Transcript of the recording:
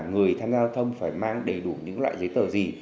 người tham gia giao thông phải mang đầy đủ những loại giấy tờ gì